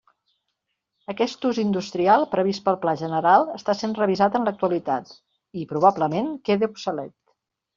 Aquest ús industrial previst pel Pla General està sent revisat en l'actualitat i, probablement, quede obsolet.